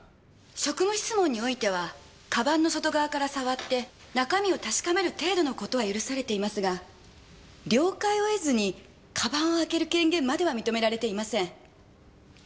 職務質問においては鞄の外側から触って中身を確かめる程度のことは許されていますが了解を得ずに鞄を開ける権限までは認められていません。